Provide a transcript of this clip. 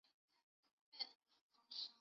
韦陟人。